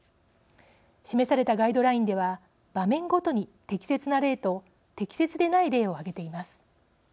示されたガイドラインでは場面ごとに適切な例と適切でない例を挙げています。